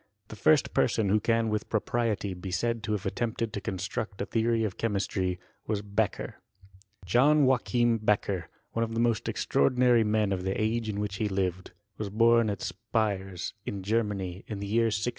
The first person who can with propriety be said to have attempted to construct a theory of che mistry, was Beccher. John Joachim Beccher, one of the most extraordi nary men of the age in which he lived, was bom at; Spires, in Gennaay, ia the year 1635.